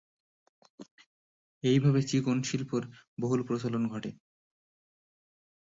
এইভাবে চিকন শিল্পের বহুল প্রচলন ঘটে।